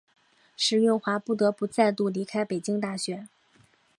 石蕴华不得不再度离开北京大学。